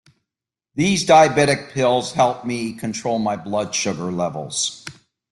These diabetic pills help me control my blood sugar levels.